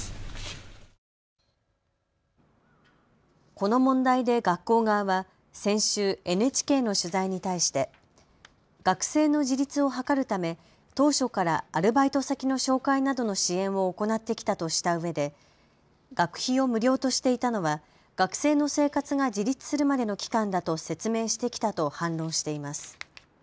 この問題で学校側は先週、ＮＨＫの取材に対して学生の自立を図るため当初からアルバイト先の紹介などの支援を行ってきたとしたうえで学費を無料としていたのは学生の生活が自立するまでの期間だと説明してきたと反論しています。